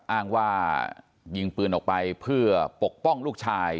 อ้างว่ายิงปืนออกไปเพื่อปกป้องลูกชาย